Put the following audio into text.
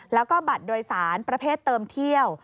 แล้วก็บัตรโดยสารประเภทเติมเที่ยว